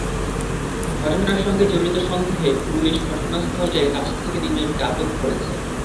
ঘটনার সঙ্গে জড়িত সন্দেহে পুলিশ ঘটনাস্থলের কাছ থেকে তিনজনকে আটক করেছে।